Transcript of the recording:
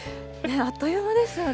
あっという間ですよね。